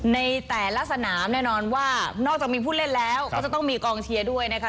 ในแต่ละสนามแน่นอนว่านอกจากมีผู้เล่นแล้วก็จะต้องมีกองเชียร์ด้วยนะคะ